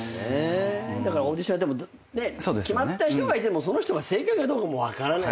だからオーディションやっても決まった人がいてもその人が正解かどうかも分からないし。